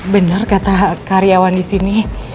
bener kata karyawan disini